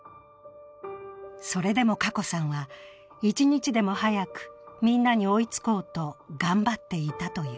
それでも華子さんは一日でも早くみんなに追いつこうと頑張っていたという。